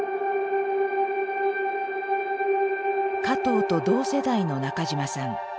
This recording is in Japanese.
加藤と同世代の中島さん。